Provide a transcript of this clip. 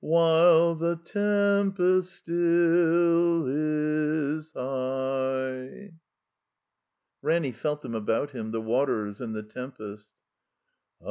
While the tempest sti ill is high." (Ranny felt them about him, the waters and the tempest.)